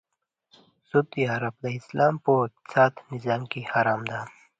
سود یا ربا د اسلام په اقتصادې نظام کې حرامه ده .